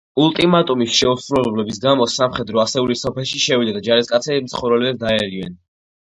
ულტიმატუმის შეუსრულებლობის გამო სამხედრო ასეული სოფელში შევიდა და ჯარისკაცები მცხოვრებლებს დაერივნენ.